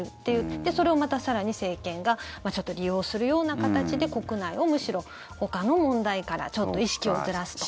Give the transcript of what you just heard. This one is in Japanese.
で、それをまた更に政権がちょっと利用するような形で国内を、むしろほかの問題からちょっと意識をずらすとか。